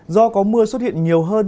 do có mưa xuất hiện nhiều hơn